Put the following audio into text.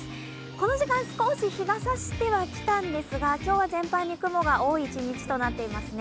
この時間、少し日がさしては来たんですが、今日は全体に雲が多い１日となっていますね。